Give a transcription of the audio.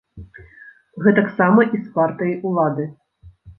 Гэтак сама і з партыяй улады.